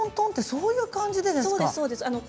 そういう感じですか？